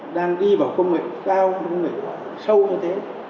đang đi vào công nghệ cao công nghệ sâu như thế